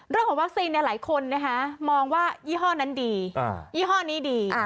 เรื่องของวัคซีนหลายคนมองว่ายี่ห้อนั้นดียี่ห้อนี้ดี